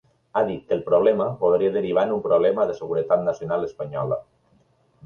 Ha dit que el problema podria derivar en un problema de seguretat nacional espanyola.